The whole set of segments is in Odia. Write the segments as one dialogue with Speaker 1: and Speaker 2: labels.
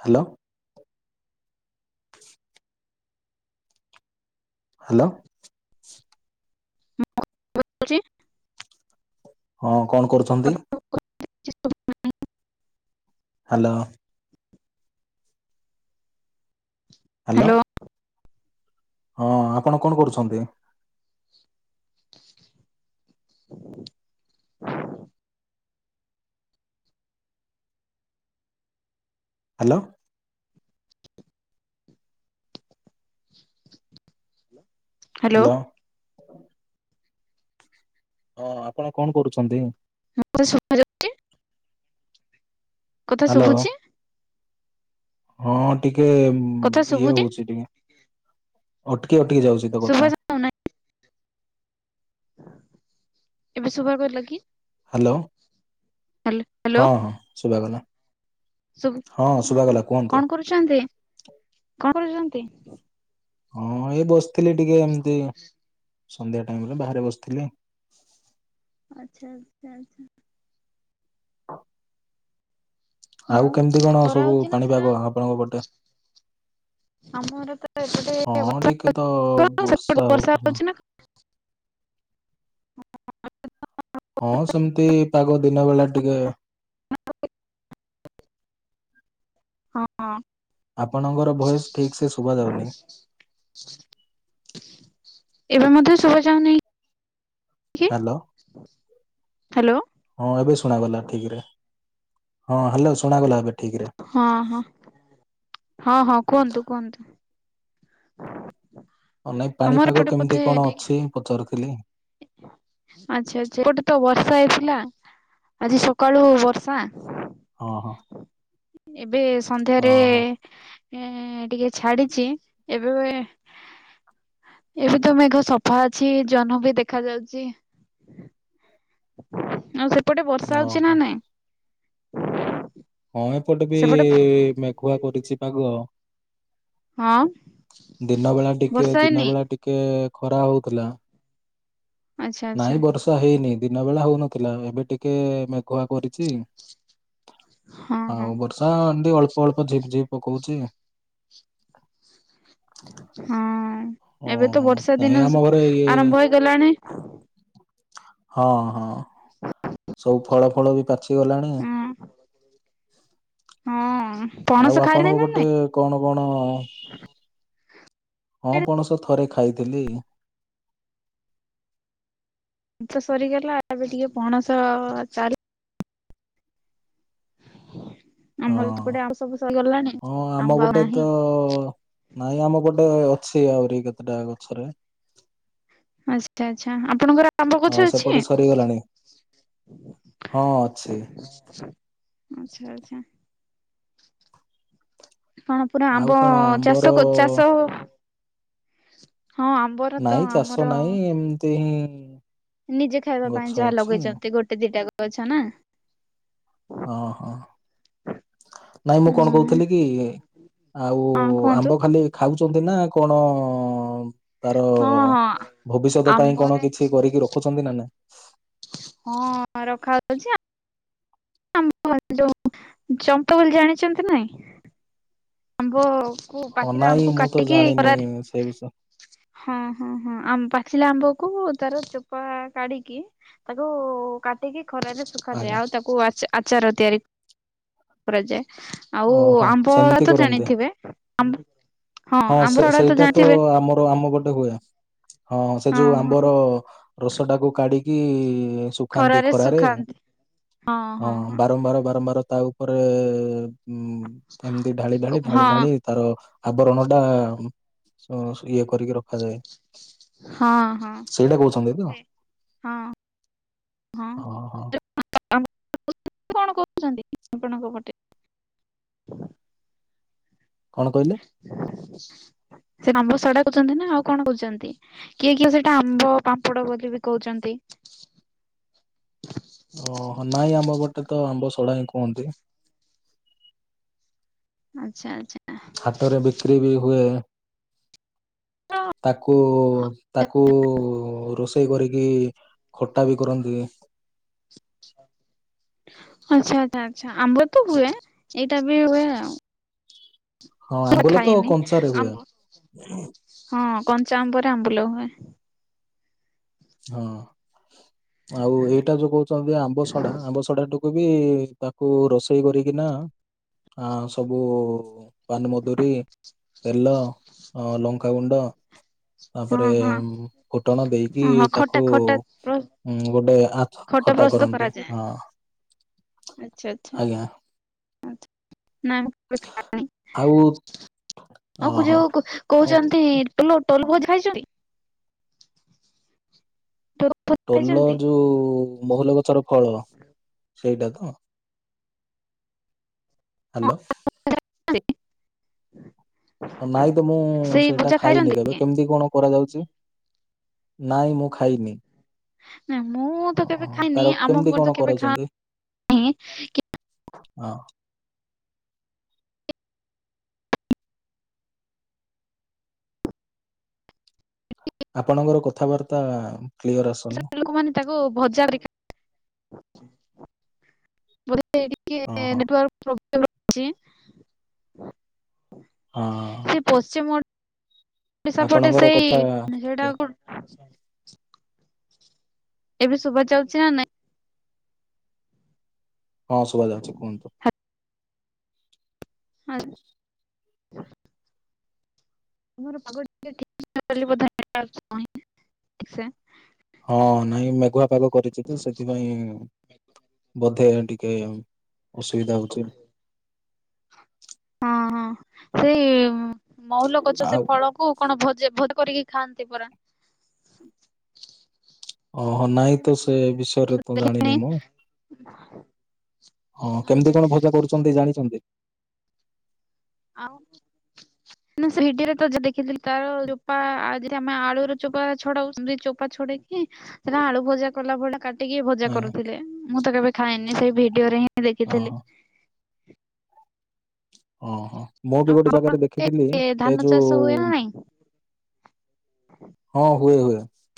Speaker 1: ହାଲୋ। [inaudible] ହାଲୋ। [inaudible]
Speaker 2: [unintelligible]
Speaker 1: ହଁ କଣ କରୁଛନ୍ତି।
Speaker 2: [unintelligible]
Speaker 1: ହାଲୋ।
Speaker 2: [inaudible]
Speaker 1: ହାଲୋ। ହଁ ଆପଣ କଣ କରୁଛନ୍ତି?
Speaker 2: [inaudible]
Speaker 1: ହାଲୋ।
Speaker 2: [inaudible] ହାଲୋ।
Speaker 1: ହଁ [inaudible] ହଁ ଆପଣ କଣ କରୁଛନ୍ତି।
Speaker 2: ମତେ ଶୁଭାଯାଉଛି। କଥା
Speaker 1: ହ୍ୟାଲୋ
Speaker 2: ଶୁବୁଛି।
Speaker 1: ହଁ ଟିକ୍ ଟିକେ
Speaker 2: କଥା
Speaker 1: ଇଏ
Speaker 2: ଶୁଭୁଛି
Speaker 1: ହଉଛି ଟିକେ ଅଠ୍ ଟିକେ ଅଟିକି ଯାଉଛି ତୋ
Speaker 2: ଶୁଭା
Speaker 1: କଥା
Speaker 2: ଯାଉନାହିଁ ଏବେ ଶୁଭା ପାଇଲା କି
Speaker 1: ହ୍ୟାଲୋ।
Speaker 2: ହ୍ୟାଲୋ ହ୍ୟାଲୋ
Speaker 1: ହଁ ହଁ ଶୁଭ କଲା
Speaker 2: ଶୁଭୁ
Speaker 1: ହଁ ଶୁଭ କଲା
Speaker 2: କଣ
Speaker 1: କୁହନ୍ତୁ।
Speaker 2: କରୁଛନ୍ତି କଣ କରୁଛନ୍ତି।
Speaker 1: ହଁ ଏଇ ବସିଥିଲି ଟିକେ ଏମତି ଦଇ [unintelligible] ସନ୍ଧ୍ୟା ଟାଇମରେ ବାହାରେ ବସିଥିଲି।
Speaker 2: ଆଚ୍ଛା ଆଚ୍ଛା ଆଛା। ଆଉ
Speaker 1: କେମିତି କଣ
Speaker 2: ଖରା
Speaker 1: ସବୁ
Speaker 2: ହଉଛି ନା
Speaker 1: ପାଣିପାଗ
Speaker 2: ବର୍ଷା
Speaker 1: ଆପଣଙ୍କ ପଟେ
Speaker 2: ଆମର ତ
Speaker 1: ହଁ ଟିକେ ତ
Speaker 2: ଏପଟେଷ ବର୍ଷା ହଉଛି ନା। ହ [unintelligible]
Speaker 1: ହଁ। ସେମିତି ପାଗ ଦିନ ବେଳା ଟିକେ
Speaker 2: ହଁ।
Speaker 1: ଆପଣଙ୍କର ଭଏସ ଠିକ୍ ସେ ଶୁଭ ଯାଉନି।
Speaker 2: ଏବେ ମଧ୍ୟେ ଶୁଭ ଯାାଉନି।
Speaker 1: ହ୍ୟାଲୋ
Speaker 2: ହ୍ୟାଲୋ
Speaker 1: ହଁ ଏବେ ଶୁଣାଗଲା ଠିକ ରେ ହଁ ହ୍ୟାଲୋ। ଶୁଣାଗଲା ଏବେ ଠିକିରେ
Speaker 2: ହଁ ହଁ ହଁ ହଁ କୁହନ୍ତୁ କୁହନ୍ତୁ। ହଁ [inaudible]
Speaker 1: ହ ନାଇଁ ପାଣିପାଗ କେମିତି କଣ ଅଛି ପଚାରୁଥିଲି।
Speaker 2: ଆଛା ଆଛା ଗୋଟେ ତ ବର୍ଷା ହେଇଥିଲା ଆଜି ସକାଳୁ ବର୍ଷା
Speaker 1: ହଁ ହଁ
Speaker 2: ଏବେ ସନ୍ଧ୍ୟାରେ
Speaker 1: ଓହୋ
Speaker 2: ଏଁ ଟିକେ ଛାଡିଛି ଏବେ ଏବେ ତ ମେଘ ସଫା ଅଛି ଜହ୍ନ ବି ଦେଖ ଦେଖ ଯାଉଛି ଆଉ ସେ ଏପଟେ ବର୍ଷା ହଉଛି
Speaker 1: ଓହୋ
Speaker 2: ନା ନାଇଁ
Speaker 1: ହଁ ଏପଟେ ବି
Speaker 2: ସେପଟେ
Speaker 1: ମେଘୁଆ କରିଛି ପାଗ ଆ
Speaker 2: ହଁ
Speaker 1: ଦିନ ବେଳା ଟିକେ
Speaker 2: ବର୍ଷା
Speaker 1: ଦିନ
Speaker 2: ହେଇନି
Speaker 1: ବେଳା ଟିକେ ଖରା ହଉଥିଲା
Speaker 2: ଆଚ୍ଛା ଆଚ୍ଛା
Speaker 1: ନାଇଁ ବର୍ଷା ହେଇନି ଦିନ ବେଳା ହଉନଥିଲା ଏବେ ଟିକେ ମେଘୁଆ କରିଚି
Speaker 2: ହଁ
Speaker 1: ହ
Speaker 2: ହଁ
Speaker 1: ବର୍ଷାଳ [unintelligible] ଅଳ୍ପ ଝିପ୍ ଝିପ୍ ପକଉଛି
Speaker 2: ହଁ ଏବେ ତ
Speaker 1: ଓହୋ
Speaker 2: ବର୍ଷା
Speaker 1: ନାଇଁ
Speaker 2: ଦିନ
Speaker 1: ଆମ ଘରେ ଇଏ
Speaker 2: ଆରମ୍ଭ ହେଇଗଲାଣି
Speaker 1: ହଁ ହଁ ଆଉ ଫଳ ଫଳ ବି ପାଚ ଗଲାଣି
Speaker 2: ହଁ ହଁ ପଣସ
Speaker 1: ଆଉ
Speaker 2: ଖାଇଲେ
Speaker 1: ଆପଣଙ୍କ
Speaker 2: ନା
Speaker 1: ଗଟେ
Speaker 2: ନାଇଁ
Speaker 1: କଣ କଣ ହଁ ପଣସ ଥରେ ଖାଇଥିଲି
Speaker 2: ତ ସରିଗଲା ଏବେ ଟିକେ ପଣସ ଚାଲି ହଁ
Speaker 1: ହଁ ହଁ ଆମ
Speaker 2: ଆମ୍ବ ଆଉ
Speaker 1: ଗୋଟେ
Speaker 2: ନାହିଁ
Speaker 1: ତ ନାଇଁ ଆମ ଗୋଟେ ଗଟେ ଅଛି ଆହୁରି କେତେଟା ଗଛରେ
Speaker 2: ଆଚ୍ଛା ଆଛା ଆପଣଙ୍କର ଆପ
Speaker 1: ଆଉ
Speaker 2: କଛ ଅଛି
Speaker 1: ସେପଟେ ସରିଗଲାଣି ହଁ ଅଛି
Speaker 2: ଆଚଛା ଆଚଛା କଣ ପୁରା
Speaker 1: ଆଉ
Speaker 2: ଆମ୍ବ
Speaker 1: କଣ ଆମ୍ବର
Speaker 2: ଚାଷ ଚାଷ ହଁ ଆମ୍ବର ତ
Speaker 1: ନାଇଁ
Speaker 2: ଆମର
Speaker 1: ଚାଷ ନାଇଁ ଏମତି ହିଁ ହୁଁ
Speaker 2: ନିଜେ ଖାଇବା ପାଇଁ ଯାହା ଲଗେଇଛନ୍ତି ଗୋଟେ ଦିଟାକୁ ଅଛ ନା
Speaker 1: ଓ ହଁ ନାଇଁ ମୁଁ
Speaker 2: ଉଁ
Speaker 1: କଣ କହୁଥିଲି କି ଆଉ
Speaker 2: ହଁ କୁହନ୍ତୁ
Speaker 1: ଆମ୍ବ ଖାଲି ଖାଉ ଛନ୍ତି ନା କଣ ତାର
Speaker 2: ହଁ ହଁ
Speaker 1: ଭବିଷ୍ୟତ ପାଇଁ କଣ
Speaker 2: ଆମ୍ବରେ
Speaker 1: କିଛି କରିକି ରଖୁଛନ୍ତି ନା ନାାଇଁ
Speaker 2: ହଁ ରଖାାଯାଉଛି ଆଉ ଚମ୍ପା ବୋଲି ଜାଣିଛନ୍ତି ନାଇଁ । ଆମ୍ୱ ।
Speaker 1: ହଁ
Speaker 2: ପାଚିଲା ଆମ୍ୱ
Speaker 1: ନାଇଁ
Speaker 2: କୁ
Speaker 1: ମୁଁ ତ
Speaker 2: କାଟିକି
Speaker 1: ଜାଣିନି
Speaker 2: କରା ଯାଏ
Speaker 1: ସେ ବିଷୟ
Speaker 2: ହଁ ହଁ ହଁ ଆମ୍ୱ । ପାଚିଲା ଆମ୍ବକୁ ତାର ଚୋପା କାଢିକି ତାକୁ କାଟିକି । ଖରରେ ଶୁଖାାଯାଏ
Speaker 1: ଆଜ୍ଞା
Speaker 2: ଆଉ ତାକୁ ଆଚା ଆଚାର ତିଆରି କରାଯାଏ । ଆଉ
Speaker 1: ଓହୋ
Speaker 2: ଆମ୍ବ ।
Speaker 1: ସେମିତି
Speaker 2: ତ
Speaker 1: କରନ୍ତି
Speaker 2: ଜାଣିଥିବେ ଆ ।
Speaker 1: ହଁ ସେ ସେଇଟା ତ ଆମର ଆମ ଗୋଟେ ହୁଏ ହଁ ସେ ଯୋଉ ଆମ୍ବର । ରସ ଟାକୁ କାଢିକି । ଶୁଖାନ୍ତି ଖରାରେ ହଁ ବାରମ୍ବାର ବାରମ୍ବାର । ତା ଉପରେ । ଉଁ ଏମିତି ଢାଳି ଢାଳି ଢାଳି
Speaker 2: ହଁ
Speaker 1: ଢାଳି ତାର । ପଣା ଟା । ହୁଁ ସ । ଇଏ କରିକି ରଖାଯାଏ
Speaker 2: ହଁ ହଁ।
Speaker 1: ସେଇଟା କହୁଛନ୍ତି ତ
Speaker 2: ହଁ ହଁ
Speaker 1: ହ ହଁ ।
Speaker 2: ଆପଣ ଙ୍କ ପେଟ ।
Speaker 1: କଣ କହିଲେ?
Speaker 2: ସେ ଆମ୍ବ ସଡା କହୁଛନ୍ତି ନା ଆଉ କଣ କହୁଛନ୍ତି କିଏ କିଏ ସେଇଟା ଆମ୍ବ ପାମ୍ପଡ ବୋଲି ବି କହୁଛନ୍ତି ।
Speaker 1: ଓହୋ ନାଇଁ ଆମ୍ବ ପଟେ ତ ଆମ୍ବ ସଡ଼ା ହିଁ କୁହନ୍ତି।
Speaker 2: ଆଚ୍ଛା ଆଚ୍ଛା ।
Speaker 1: ହାଟରେ ବିକ୍ରି ବି ହୁଏ । ତାକୁ ତାକୁ ରୋଷେଇ । ଷେଇ କରିକି ଖଟା ବି କରନ୍ତି।
Speaker 2: ଆଚ୍ଛା ଆଚ୍ଛା ଆମ୍ୱ ତ ହୁଏ ଏଇଟା ବି ହୁଏ।
Speaker 1: ହଁ
Speaker 2: ମୁଁ
Speaker 1: ଆମ୍ବୁଲ ତ
Speaker 2: ଖାଇନି।
Speaker 1: କଞ୍ଚାରେ ହୁଏ।
Speaker 2: ଆମ୍ବ ହଁ କଞ୍ଚା ଆମ୍ବରେ ଆମ୍ବୁଲ ହୁଏ।
Speaker 1: ହଁ । ଆଉ ଏଇଟା ଯୋଉ କହୁଛନ୍ତି ଆମ୍ବ ସଡା ଆମ୍ବ ସଡାଟା ବି ତାକୁ ରୋଷେଇ କରିକିନା ସବୁ ପାନମଧୁରୀ ତେଲ ଲଙ୍କାଗୁଣ୍ଡ ।
Speaker 2: ହଁ
Speaker 1: ତାପରେ
Speaker 2: ହଁ
Speaker 1: ଫୁଟଣ ଦେଇକି
Speaker 2: ହଁ ହଁ
Speaker 1: । ତାକୁ
Speaker 2: ଖଟା ଖଟା
Speaker 1: ଗୋଟେ ।
Speaker 2: ଖଟା ପ୍ରସ୍ତୁତ କରାଯାଏ। ଆଚ୍ଛା ଆଚ୍ଛା।
Speaker 1: ଆଜ୍ଞା
Speaker 2: ଆଚ୍ଛା। ନା
Speaker 1: ଆଉ
Speaker 2: [unintelligible]
Speaker 1: ଓହୋ
Speaker 2: ଆଉ
Speaker 1: ହଁ
Speaker 2: ଯୋଉ
Speaker 1: ହଁ
Speaker 2: କହୁଛନ୍ତି କି [unintelligible] [unintelligible] ଟୋଲ ଭୋଜି
Speaker 1: ଟୋଲ
Speaker 2: ଖାଇଛନ୍ତି?
Speaker 1: ଯୋଉ ମହୁଲ ଗଛର ଫଳ। ସେଇଟା ତ? ହ୍ୟାଲୋ। ହ ନାଇଁ ତ ମୁଁ
Speaker 2: ସେଇ
Speaker 1: ସେଇଟା
Speaker 2: ଭଜା
Speaker 1: ଖାଇନି
Speaker 2: ଖାଇଛନ୍ତି
Speaker 1: କେବେ
Speaker 2: କି?
Speaker 1: କେମିତି କଣ କରାଯାଉଛି? ନାଇଁ ମୁଁ ଖାଇନି।
Speaker 2: ନାଇଁ ମୁଁ ତ
Speaker 1: ଓହୋ
Speaker 2: କେବେ ଖାଇନି
Speaker 1: ତାର
Speaker 2: ଆମ
Speaker 1: କେମିତି
Speaker 2: ପଟେ
Speaker 1: କଣ
Speaker 2: ତ କେବେ
Speaker 1: କରୁଛନ୍ତି
Speaker 2: [unintelligible] ଖାଆ
Speaker 1: ହଁ। ଆପଣଙ୍କର କଥାବାର୍ତ୍ତା କ୍ଲିୟର ଆସୁନି
Speaker 2: ଲୋକମାନେ ତାକୁ ଭଜା
Speaker 1: ହଁ
Speaker 2: ଟିକେ
Speaker 1: ହଁ
Speaker 2: ନେଟ୍ ୱର୍କ [unintelligible]
Speaker 1: ହଁ
Speaker 2: [unintelligible] ସେ ପଶ୍ଚିମ ସାପଟେ
Speaker 1: ଆପଣଙ୍କର
Speaker 2: ସେଇ
Speaker 1: କଥା
Speaker 2: ସେଇଟା
Speaker 1: ଟିକେ
Speaker 2: [unintelligible] [inaudible] ଏବେ ଶୁଭ ଯାଉଛି ନା ନାଇଁ?
Speaker 1: ହଁ ଶୁଭା ଯାଉଛି କୁହନ୍ତୁ।
Speaker 2: ହଁ । ହ [inaudible] ତମର ପ ଟିକେ [unintelligible] ସେ
Speaker 1: ହଁ ନାଇଁ ମେଘୁଆ ପାଗ କରିଛି, ତ ସେଥିପାଇଁ ବୋଧେ ଟ ଟିକେ ଅସୁବିଧା ହଉଛି ଆଉ।
Speaker 2: ହଁ ହଁ। ସେଇ ମହୁଲ ଗଛ ସେ
Speaker 1: ଆଉ
Speaker 2: ଫଳକୁ, କଣ ଭୋଜେ ଭ କରିକି ଖାଆନ୍ତି ପରା।
Speaker 1: ଓହୋ ନାଇଁ ତ ସ ସେ
Speaker 2: ମୁଁ
Speaker 1: ବିଷୟରେ ତ
Speaker 2: ଦେଖିନି
Speaker 1: ଜାଣିନି ମୁଁ, ହଁ
Speaker 2: ଆଚ୍ଛା
Speaker 1: କେମିତି କଣ
Speaker 2: ଆଚ୍ଛା
Speaker 1: ଭଜା କରୁଛନ୍ତି ଜାଣିଛନ୍ତି?
Speaker 2: ଆଉ ନା ସେଠିରେ ତ ଦେଖିି ତାର ଚୋପା, ଯି ଆମେ [unintelligible] ଆଳୁର ଚୋପା ଛଡାଉ ଦ ଚୋପା ଛଡେଇକି ସେ ଆଳୁ ଭଜା କଲା ଭଳିଆ କାଟିକି ଭଜା
Speaker 1: ଆଜ୍ଞା
Speaker 2: କରୁଥିଲେ। ମୁଁ ତ କେବେ ଖାଇନି ସେଇ ଭିଡିଓରେ ହିଁ
Speaker 1: ହଁ
Speaker 2: ଦେଖିଥିଲି।
Speaker 1: ହଁ ଓ ହୋ। ମୁଁ ବି ଗୋଟେ ଜାଗାରେ
Speaker 2: ଆପଣଙ୍କ
Speaker 1: ଦେଖିଥିଲି
Speaker 2: ଏ
Speaker 1: ସେଇ
Speaker 2: ଧାନ ଚାଷ ହୁଏ ନା
Speaker 1: ଯୋଉ
Speaker 2: ନାଇଁ?
Speaker 1: ହଁ ହୁଏ ହୁଏ ହ [inaudible]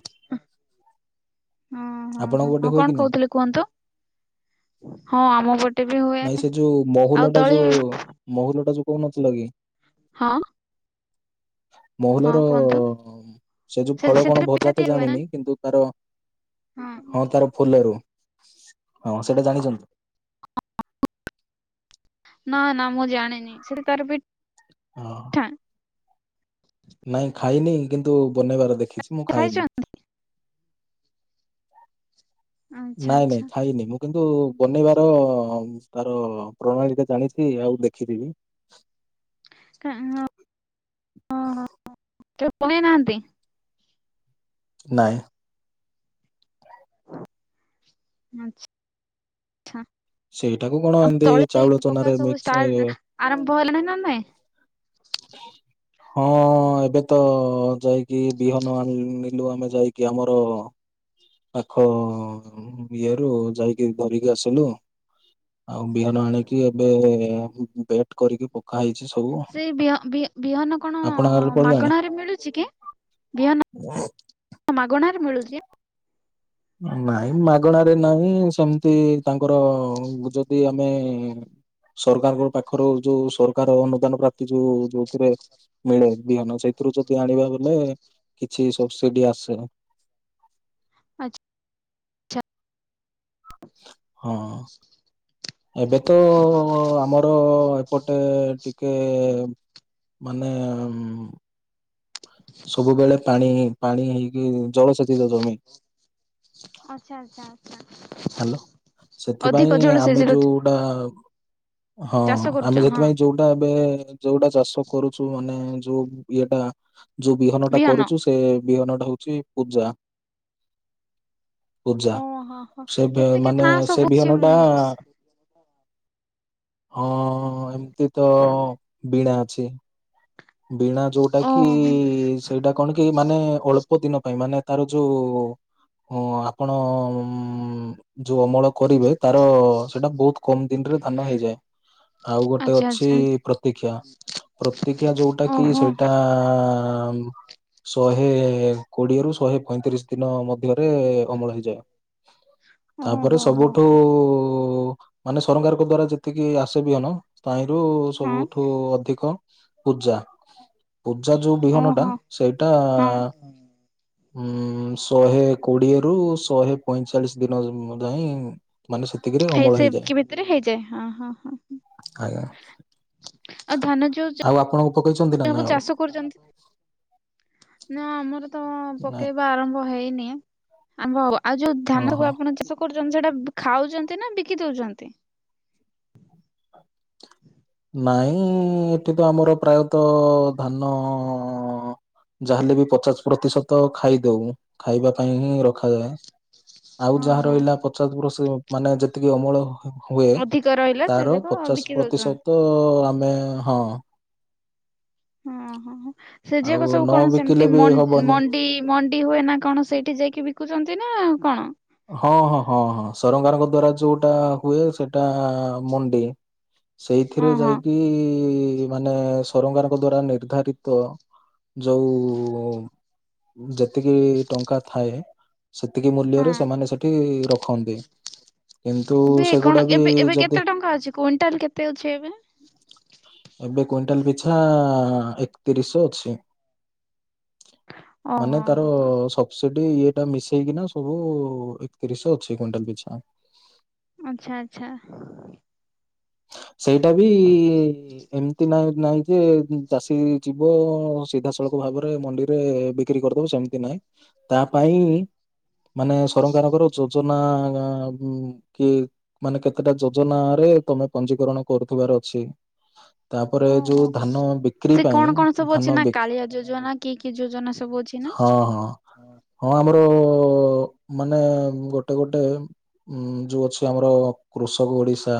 Speaker 2: ହ [inaudible] ଓ ହୋ ହୋ
Speaker 1: ଆପଣଙ୍କ ଗୋଟେ
Speaker 2: ହଁ
Speaker 1: ହୁଏ କି
Speaker 2: କଣ
Speaker 1: ନାଇଁ?
Speaker 2: କହୁଥିଲେ କୁହନ୍ତୁ? ହଁ ଆମପଟେ
Speaker 1: ନାଇଁ ସେ ଯୋଉ, ମହୁଲ ଟା ଯୋଉ ମହୁଲ ଟା ଯୋଉ କୋଉନଥିଲକି।
Speaker 2: ହଁ। ହଁ
Speaker 1: ମହୁଲର
Speaker 2: କୁହନ୍ତୁ
Speaker 1: ସେ ଯୋଉ ଫଳ କଣ
Speaker 2: ସେଥିରେ ପିଠା
Speaker 1: ଭଜା ତ
Speaker 2: ତିଆରି ହୁଏ ନା?
Speaker 1: ଜାଣିନି କିନ୍ତୁ, ତାର ହଁ ତାର ଫୁଲ ରୁ ହଁ ସେଇଟା ଜାଣିଛନ୍ତି।
Speaker 2: ନା ନା ମୁଁ ଜାଣିନି ସେ ତାର
Speaker 1: ହଁ। ନାଇଁ ଖାଇନି। କିନ୍ତୁ ବନେଇବାର ଦେଖ। ଦେଖିଛି ମୁଁ ଖାଇନି।
Speaker 2: ଖାଇଛନ୍ତି? ଆଚ୍ଛା
Speaker 1: ନାଇଁ
Speaker 2: ଆଚ୍ଛା
Speaker 1: ନାଇଁ ଖାଇନିଁ ମୁଁ। କିନ୍ତୁ ବନେଇବାର ତାର। ପ୍ରଣାଳୀଟା ଜାଣିଛି ଆଉ ଦେଖ। ଖିରିିବି।
Speaker 2: ହଁ ହ ହ। କେ ପୁଣେଇ ନାହାନ୍ତି
Speaker 1: ନାଇଁ
Speaker 2: ଆଚଛା
Speaker 1: ସେଇଟାକୁ କଣ ଏମିତି
Speaker 2: ଚ
Speaker 1: ଚାଉଳ
Speaker 2: ପକା
Speaker 1: ଚନାରେ
Speaker 2: ସବୁ
Speaker 1: ମିକ୍ସ ଏ
Speaker 2: ଆରମ୍ଭ ହେଲାଣି ନ ନେ।
Speaker 1: ହଁ ଏବେ ତ ଯାଇକି ବିହନ ଆଣିଲୁ ଆମେ ଯାଇକି ଆମର। ପାଖ ଇଏରୁୁ ଯାଇକି ଧରିକି ଆସିଲୁ ଆଉ ବିହନ ଆଣିକି ଏବେ ବେଟ କରିକି ପକା ହେଇ।
Speaker 2: ସେ ବିହନ କଣ
Speaker 1: ଆପଣଙ୍କ ଆଡେ ପଡିଲାଣି?
Speaker 2: ମାଗଣାରେ ମିଳୁଛି କେ ବିହନ ମାଗଣାରେ ମିଳୁଛି। ଆ [inaudible]
Speaker 1: ନାଇଁ ମାଗଣ ାରେ ନାହିଁ ସେମିତି। ତାଙ୍କର ଯଦି। ଆମେ ସରକାରଙ୍କ ପାଖରୁ ଯୋଉ ସରକାର ଅନୁଦାନ ପ୍ରାପ୍ତି ଯୋଉ ଯୋଉଥିରେ ମିଳେ ବିହନ ସେଇଥିରୁ ଯଦି ଆଣିବା ବଲେ କିଛି ସବସିଡି ଆସେ।
Speaker 2: ଆଛ୍
Speaker 1: ହଁ। ଏବେ ତ ଆମର ଏପଟେ ଟିକେ ମାନେ ସବୁବେଳେ ପାଣି ପାଣି ହେଇକି ଜଳ ସେଚିତ ଜମି।
Speaker 2: ଆଚ୍ଛା ଆଚ୍ଛା। ଆଚ୍ଛା।
Speaker 1: ହାଲୋ ସେଥିପାଇଁ
Speaker 2: ଅଧିକ
Speaker 1: ଆମେ
Speaker 2: ଜଳସେଚିତ
Speaker 1: ଯୋଉଟା ହଁ
Speaker 2: ଚାଷ କରୁଛ
Speaker 1: ଆମେ
Speaker 2: ହଁ
Speaker 1: ସେଥିପାଇଁ ଯୋଉଟା ଏବେ ଯୋଉଟା ଚାଷ କରୁଛୁ ମାନେ ଯୋଉ ଇଏଟା ଯୋଉ ବିହନଟା
Speaker 2: ବିହନ
Speaker 1: କରୁଚୁ ସେ ବିହନଟା ହୋଉଚି ପୂଜା। ପୂଜା।
Speaker 2: ଓହୋ ହୋ।
Speaker 1: ସେବେ
Speaker 2: କେତେ କେତେ
Speaker 1: ମାନେ
Speaker 2: ନାଁ
Speaker 1: ସେ
Speaker 2: ସବୁ ଅଛି ମୁଁ
Speaker 1: ବିହନଟା ହଁ ଏମତି ତ ବିଣା ଛି ବୀଣା ଯୋଉଟା କି
Speaker 2: ଓହୋ
Speaker 1: ସେଇଟା କଣ କି ମାନେ ଅଳ୍ପ ଦିନ ପାଇଁ ମାନେ ତାର ଯୋଉ ଉଁ ଆପଣ ଉମ୍ ଯୋଉ ଅମଳ କରିବେ ତାର ସେଇଟା ବୋହୁତ କମ ଦିନରେ ଧାନ ହେଇଯାଏ। ଆଉ ଗୋଟେ
Speaker 2: ଆଚ୍ଛା
Speaker 1: ଅଛି
Speaker 2: ଆଚ୍ଛା।
Speaker 1: ପ୍ରତୀକ୍ଷା ପ୍ରତୀକ୍ କ୍ଷା ଯୋଉଟା କି
Speaker 2: ଓହୋ
Speaker 1: ସେଇଟା ଶହେ କୋଡିଏରୁୁ ଶହେ ପଇଁତିରିଶ ଦିନ ମଧ୍ୟରେ ଅମଳ ହେଇଯାଏ।
Speaker 2: ଓହୋ
Speaker 1: ତାପରେ
Speaker 2: ହୋ ହୋ
Speaker 1: ସବୁଠୁ ଉ ମାନେ ସରକାରଙ୍କ ଦ୍ଵାରା ଯେତିକି ଆସେ ବିିହନ ତାହିଁ କୁ
Speaker 2: ହଁ
Speaker 1: ସବୁଠୁ ଅଧିକ। [inaudible] ପୂଜା ପୂଜା ଯୋଉ ବିହନଟା
Speaker 2: ଓହୋ
Speaker 1: ସେଇଟା
Speaker 2: ହଁ
Speaker 1: ହୁଁ ଶହେ କୋଡିଏରୁୁ ଶହେ ପଇଁଚାଳିଶ ଦିନ ମଧ୍ୟ ହିଁ
Speaker 2: ହେଇ ସେବତିକି ଭିତରେ ହେଇଯାଏ ହଁ ହଁ ହଁ
Speaker 1: ଆଜ୍ଞା
Speaker 2: ହଁ ଆଉ ଧାନ ଯୋଉ ଚା
Speaker 1: ଆଉ ଆପଣଙ୍କ ପକେଇଚନ୍ତି ନା ନାଁ ଆଉ?
Speaker 2: ନା ଆମର ତ
Speaker 1: ନାଇଁ
Speaker 2: ପକେଇବା ଆରମ୍ଭ ହେଇନି। ଆମ୍ବ ହବା ଆଉ ଯୋଉ
Speaker 1: ହଁ
Speaker 2: ଧାନକୁ
Speaker 1: ହଁ
Speaker 2: ଆପଣ ଚାଷ କରୁ ଚନ୍ତି ସେଟା ଖାଉଚନ୍ତି ନା ବିକି ଦୋଉଚନ୍ତି।
Speaker 1: ନାଇଁ ଏଠି ତ ଆମର ପ୍ରାୟତଃ ଧାନ ଯାହେଲେ ବି ପଚାଶ ପ୍ରତିଶତ ଖାଇଦଉ, ଖାଇବା ପାଇଁ ହିଁ ରଖାଯାଏ। ଆଉ
Speaker 2: ହଁ
Speaker 1: ଯାହା
Speaker 2: ହଁ।
Speaker 1: ରହିଲା ପଚାସ ପ୍ରସି ମାନେ ଯେତିକି ଅମଳ ହୁଏ
Speaker 2: ଅଧିକ ରହିଲା ସେ
Speaker 1: ତାର
Speaker 2: ଯାକ
Speaker 1: ପଚାଶ
Speaker 2: ବିକି ଦଉଛନ୍ତି
Speaker 1: ପ୍ରତିଶତ ତ ଆମେ ହଁ।
Speaker 2: ହଁ ହଁ ହଁ। ସେଯାକ
Speaker 1: ଆଉ
Speaker 2: ସବୁ
Speaker 1: ନ
Speaker 2: କଣ
Speaker 1: ବିକିଲେ
Speaker 2: ସେମିତି
Speaker 1: ବି
Speaker 2: ମ
Speaker 1: ହବନି।
Speaker 2: ମଣ୍ଡି ମଣ୍ଡି ହୁଏ ନା କଣ ସେଇ ଟି ଯାଇକି ବିକୁଛନ୍ତି ନା କଣ?
Speaker 1: ହଁ ହଁ ହଁ ହଁ ସରକାରଙ୍କ ଦ୍ଵାରା ଯୋଉଟା ହୁଏ ସେଟା ମଣ୍ଡି। ସେଇଥିରେ
Speaker 2: ହଁ ହଁ।
Speaker 1: ଯାଇକି କି ମାନେ ସରକାରଙ୍କ ଦ୍ଵାରା ନିର୍ଦ୍ଧାରିତ ଯଉ ଯେତ ତିକି ଟଙ୍କା ଥାଏ। ସେତିକି
Speaker 2: ହଁ।
Speaker 1: ମୂଲ୍ୟରେ ତ ମାନେ ସେଠି ରଖନ୍ତି କିନ୍ତୁ
Speaker 2: ଏବେ କଣ
Speaker 1: ସେଗୁଡା ବି
Speaker 2: ଏବେ ଏବେ
Speaker 1: ଯଦି
Speaker 2: କେତେ ଟଙ୍କା ଅଛି କୁଇଣ୍ଟାଲ କେତେ ଅଛି ଏବେ?
Speaker 1: ଏବେ କୁଇଣ୍ଟାଲ ପିଛା ଏକତିରି ଶହ ଅଛି। ମାନେ
Speaker 2: ଓହୋ
Speaker 1: ତାର
Speaker 2: ହୋ
Speaker 1: ସବସିଡି ଇଏ ସେଟା ମିଶେଇକିନା ସବୁ ଏକତିରିଶ ଅଛି କ୍ୱିଣ୍ଟାଲ ପିଛା।
Speaker 2: ଆଚ୍ଛା ଆଚ୍ଛା।
Speaker 1: ସେଇଟା ବି ଏମିତି ନାହିଁ ନାଇଁ ଯେ ଚାଷୀ ଯିବ ସିଧାସଳଖ ଭାବରେ ମଣ୍ଡିରେ ବିକ୍ରି କରିଦବ ସେମିତି ନାହିଁ। ତା ପାଇଁ ମାନେ ସରକାରଙ୍କର ଯୋଜନା କିଏ ମାନେ କେତେଟା ଯୋଜନା ରେ ତମେ ପଞ୍ଜୀିକରଣ କରୁଥିବାର ଅଛି। ତାପରେ
Speaker 2: ଓହୋ
Speaker 1: ଯୋଉ
Speaker 2: ହୋ।
Speaker 1: ଧାନ ବିକ୍ରି
Speaker 2: ସେ
Speaker 1: ପାଇଁ
Speaker 2: କଣ କଣ ସବୁ ଅଛି
Speaker 1: ଧାନ
Speaker 2: ନା
Speaker 1: ବି,
Speaker 2: କାଳିଆ ଯୋଜନା କି କି ଯୋଜନା ସବୁ ଅଛି ନା?
Speaker 1: ହଁ ହଁ ହଁ ଆମ ଆର ମାନେ ଗୋଟେ ଗୋଟେ ଉ ଯୋଉ ଅଛି ଆମର କୃଷକ ଓଡିଶା।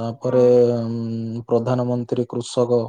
Speaker 1: ତାପରେ
Speaker 2: ହଁ
Speaker 1: ଉ ପ୍ରଧାନମନ୍ତ୍ରୀ କୃଷକ